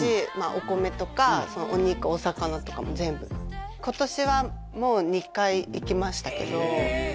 お米とかお肉お魚とかも全部今年はもう２回行きましたけどええ！